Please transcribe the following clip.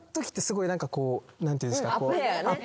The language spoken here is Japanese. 何ていうんですか。